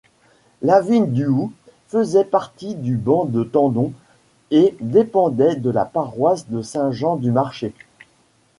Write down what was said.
Laveline-du-Houx faisait partie du ban de Tendon et dépendait de la paroisse de Saint-Jean-du-Marché.